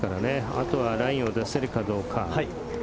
あとはラインを出せるかどうか。